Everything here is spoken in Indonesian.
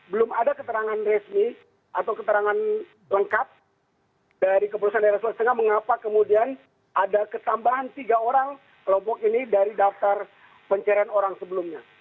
belum ada keterangan resmi atau keterangan lengkap dari kepolisian daerah sulawesi tengah mengapa kemudian ada ketambahan tiga orang kelompok ini dari daftar pencarian orang sebelumnya